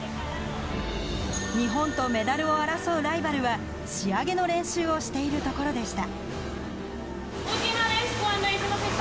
日本とメダルを争うライバルは仕上げの練習をしているところでした。